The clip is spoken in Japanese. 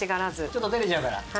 ちょっと照れちゃうから。